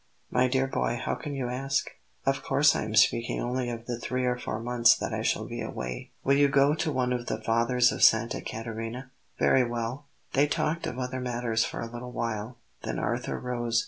"My dear boy, how can you ask? Of course I am speaking only of the three or four months that I shall be away. Will you go to one of the Fathers of Santa Caterina?" "Very well." They talked of other matters for a little while; then Arthur rose.